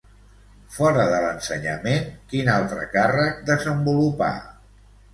Fora de l'ensenyament, quin altre càrrec desenvolupà?